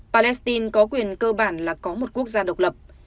palestine có quyền cơ bản là có một quốc gia độc lập